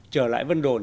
trở lại vân đồn